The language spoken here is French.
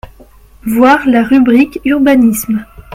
Voir la rubrique urbanisme.